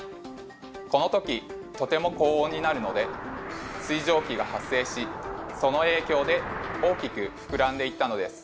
この時とても高温になるので水蒸気が発生しその影響で大きく膨らんでいったのです。